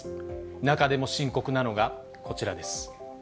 中でも深刻なのが、こちらです。